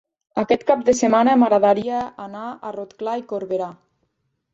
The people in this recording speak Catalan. Aquest cap de setmana m'agradaria anar a Rotglà i Corberà.